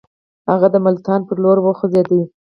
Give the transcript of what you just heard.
هغه د ملتان پر لور وخوځېدی.